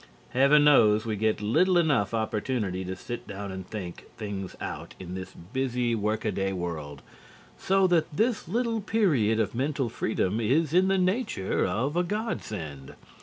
Heaven knows we get little enough opportunity to sit down and think things out in this busy work a day world, so that this little period of mental freedom is in the nature of a godsend.